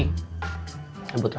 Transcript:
nggak ada apa apa